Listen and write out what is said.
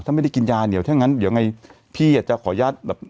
ถ้าไม่ได้กินยาเนี่ยถ้างั้นเดี๋ยวไงพี่อ่ะจะขออนุญาตแบบ